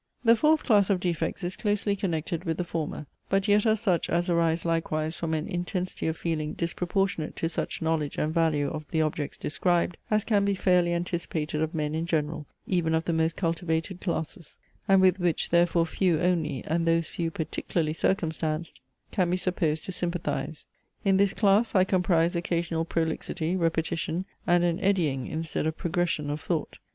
The fourth class of defects is closely connected with the former; but yet are such as arise likewise from an intensity of feeling disproportionate to such knowledge and value of the objects described, as can be fairly anticipated of men in general, even of the most cultivated classes; and with which therefore few only, and those few particularly circumstanced, can be supposed to sympathize: In this class, I comprise occasional prolixity, repetition, and an eddying, instead of progression, of thought.